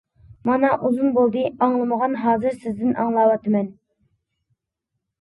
مانا ئۇزۇن بولدى ئاڭلىمىغان ھازىر سىزدىن ئاڭلاۋاتىمەن.